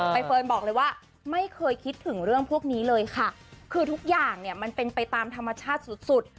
เฟิร์นบอกเลยว่าไม่เคยคิดถึงเรื่องพวกนี้เลยค่ะคือทุกอย่างเนี่ยมันเป็นไปตามธรรมชาติสุดสุด